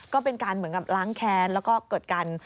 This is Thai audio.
ก็เป็นการเหมือนกับล้างแค้นแล้วก็เกิดกัน